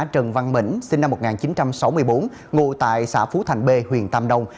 trần văn mẫn sinh năm một nghìn chín trăm sáu mươi bốn ngụ tại xã phú thành b huyện tam đông